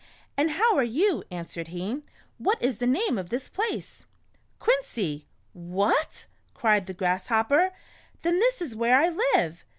"And how are you?" answered he. "What is the name of this place ?"" Quincy." "What!" cried the Grasshopper, "then this is where I live."